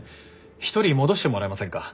１人戻してもらえませんか？